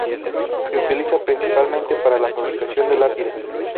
Se utiliza principalmente para la fabricación de lápidas.